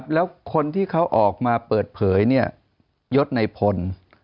แล้วคนที่เขาออกมาเปิดเผยยศในพล